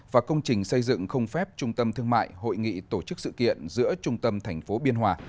và công trình xây dựng không phép trung tâm thương mại hội nghị tổ chức sự kiện giữa trung tâm thành phố biên hòa